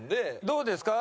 どうですか？